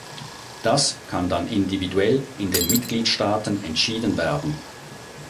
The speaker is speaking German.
Das kann dann individuell in den Mitgliedstaaten entschieden werden.